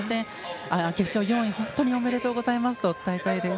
決勝４位、本当におめでとうございますと伝えたいです。